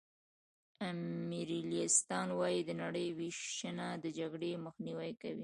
امپریالیستان وايي د نړۍ وېشنه د جګړې مخنیوی کوي